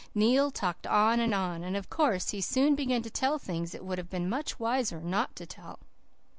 Neil talked on and on, and of course he soon began to tell things it would have been much wiser not to tell.